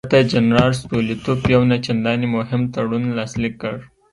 البته جنرال ستولیتوف یو نه چندانې مهم تړون لاسلیک کړ.